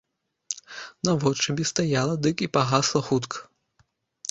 Наводшыбе стаяла дык і пагасла хутка.